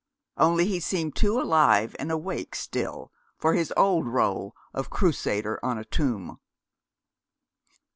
Only, he seemed too alive and awake still for his old rôle of Crusader on a tomb.